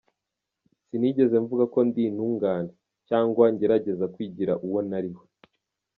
Sinigeze mvuga ko ndi intungane, cyangwa ngo ngerageza kwigira uwo ntari we.